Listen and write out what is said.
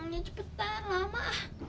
ya cepetan lama